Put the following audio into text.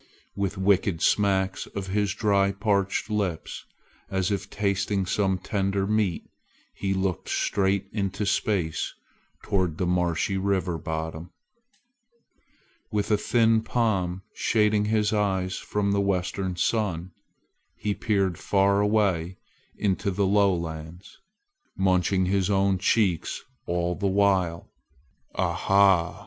With wicked smacks of his dry parched lips, as if tasting some tender meat, he looked straight into space toward the marshy river bottom. With a thin palm shading his eyes from the western sun, he peered far away into the lowlands, munching his own cheeks all the while. "Ah ha!"